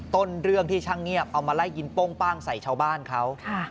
ต้นเรื่องที่ช่างเงียบเอามาไล่ยิงโป้งป้างใส่ชาวบ้านเขา